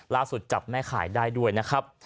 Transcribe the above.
ล่าสุดจับแม่ขายได้ด้วยนะครับ